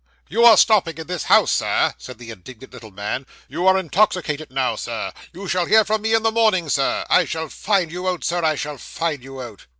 'You are stopping in this house, Sir,' said the indignant little man; 'you are intoxicated now, Sir; you shall hear from me in the morning, sir. I shall find you out, sir; I shall find you out.